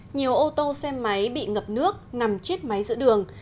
nhiều ô tô xe máy bị ngập nước nằm chết máy giữa đường